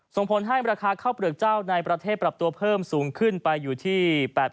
ส่งผลให้ราคาข้าวเปลือกเจ้าในประเทศปรับตัวเพิ่มสูงขึ้นไปอยู่ที่๘๐